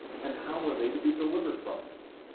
and how are they to be delivered from it ?